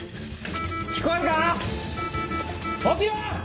聞こえるか⁉起きろ！